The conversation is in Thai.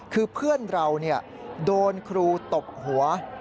คือเพื่อนเราโดนครูตบหัว